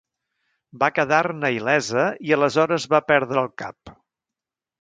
Va quedar-ne il·lesa i aleshores va perdre el cap.